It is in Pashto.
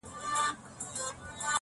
• لکه خُم ته د رنګرېز چي وي لوېدلی -